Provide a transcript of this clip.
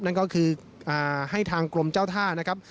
นั่นก็คือให้ทางกรมเจ้าท่านะครับ